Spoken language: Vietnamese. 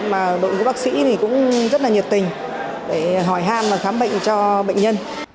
mà đội ngũ bác sĩ thì cũng rất là nhiệt tình để hỏi ham và khám bệnh cho bệnh nhân